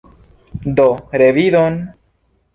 Do, revidon!